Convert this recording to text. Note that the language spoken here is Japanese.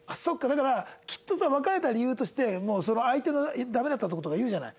だからきっとさ別れた理由として相手のダメだったところとか言うじゃない。